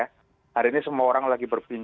hari ini semua orang lagi berpindah